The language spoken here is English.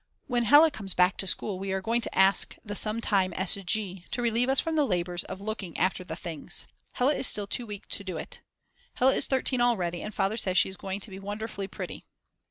When Hella comes back to school we are going to ask the sometime S. G. to relieve us from the labours of looking after the things. Hella is still too weak to do it. Hella is 13 already and Father says she is going to be wonderfully pretty.